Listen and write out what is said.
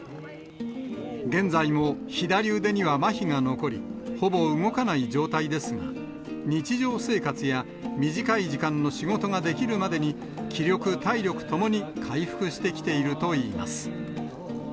現在も左腕にはまひが残り、ほぼ動かない状態ですが、日常生活や短い時間の仕事ができるまでに、気力、体力ともに回復してきているといいます。